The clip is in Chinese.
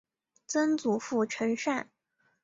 曾祖父陈善。